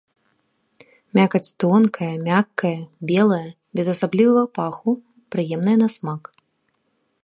Мякаць тонкая, мяккая, белая, без асаблівага паху, прыемная на смак.